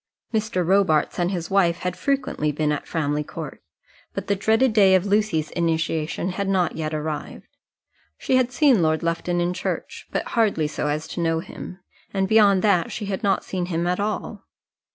Mr. Robarts and his wife had frequently been at Framley Court, but the dreaded day of Lucy's initiation had not yet arrived. She had seen Lord Lufton in church, but hardly so as to know him, and beyond that she had not seen him at all.